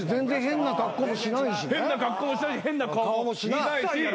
変な格好もしないし変な顔もしないし。